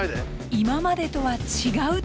今までとは違う手応え。